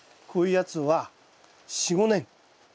こういうやつは４５年。